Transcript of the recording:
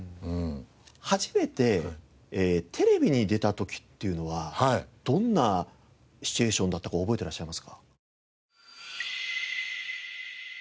初めてテレビに出た時というのはどんなシチュエーションだったか覚えてらっしゃいますか？